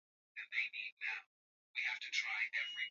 Benki ya Dunia ilisema mapato ya Uganda kwa kila mtu yaliimarika sana